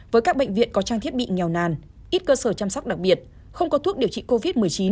với các bệnh viện có trang thiết bị nghèo nàn ít cơ sở chăm sóc đặc biệt không có thuốc điều trị covid một mươi chín